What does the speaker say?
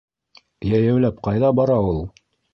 Йәйәүләп ҡайҙа бара ул?